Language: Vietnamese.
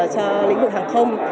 cho lĩnh vực hàng không